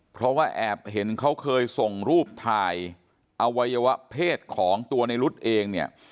เพราะว่าแอบเห็นเขาเคยส่งรูปถ่ายอวัยวะเพศของตัวในรุ๊ดเองเนี่ย